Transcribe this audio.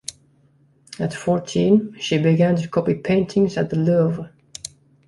At fourteen, she began to copy paintings at the Louvre.